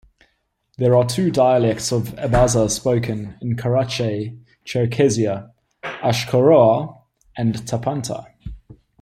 There are two dialects of Abaza spoken in Karachay-Cherkessia: "Ashkharua" and "Tapanta".